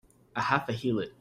A half a heelot!